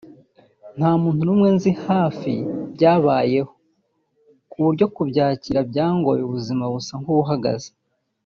nta n'umuntu nzi wa hafi byabayeho ku buryo kubyakira byangoye ubuzima busa nkubuhagaze